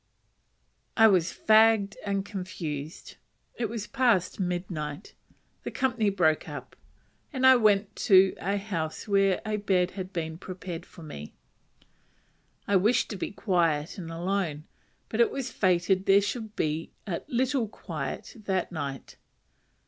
I was fagged and confused. It was past mid night; the company broke up, and I went to a house where a bed had been prepared for me. I wished to be quiet and alone; but it was fated there should be little quiet that night.